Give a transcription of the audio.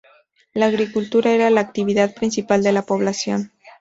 La agricultura era la actividad principal de la población.